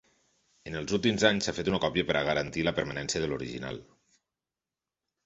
En els últims anys s'ha fet una còpia per a garantir la permanència de l'original.